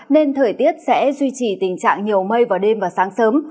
nên thời tiết sẽ duy trì tình trạng nhiều mây vào đêm và sáng sớm